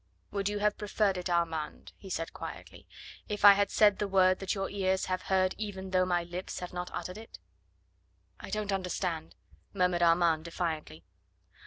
"Would you have preferred it, Armand," he said quietly, "if I had said the word that your ears have heard even though my lips have not uttered it?" "I don't understand," murmured Armand defiantly.